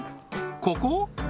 ここ？